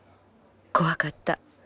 「怖かった。